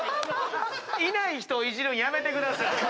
いない人をいじるのやめてください。